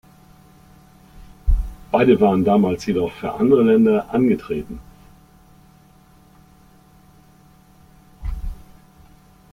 Beide waren damals jedoch für andere Länder angetreten.